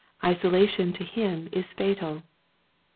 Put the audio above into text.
Isolation to him is fatal.